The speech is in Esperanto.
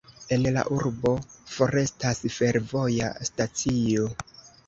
En la urbo forestas fervoja stacio.